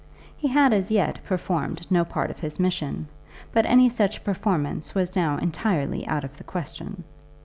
He had as yet performed no part of his mission, but any such performance was now entirely out of the question.